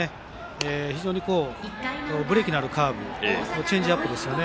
非常にブレーキのあるカーブとチェンジアップですよね。